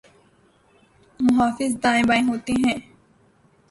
محافظ دائیں بائیں ہوتے ہیں۔